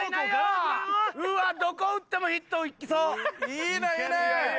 いいねいいね！